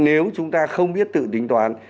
nếu chúng ta không biết tự tính toán